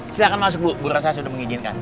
silahkan masuk bu bu rossa sudah mengizinkan